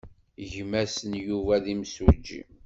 Gma-s n Yuba d imsujji.